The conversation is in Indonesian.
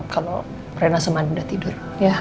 kalau reina sama andi udah tidur ya